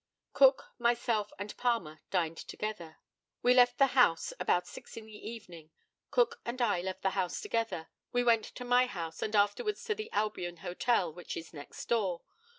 Cook, myself, and Palmer dined together. We left the house about six in the evening. Cook and I left the house together. We went to my house, and afterwards to the Albion Hotel, which is next door.